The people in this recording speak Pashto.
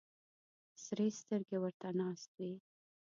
سرې سترګې ورته ناست وي.